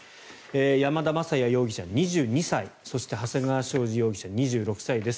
山田雅也容疑者、２２歳そして長谷川将司容疑者、２６歳です。